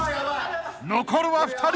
［残るは２人］